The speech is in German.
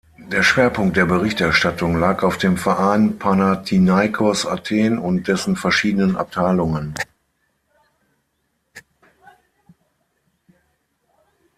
Der Schwerpunkt der Berichterstattung lag auf dem Verein Panathinaikos Athen und dessen verschiedenen Abteilungen.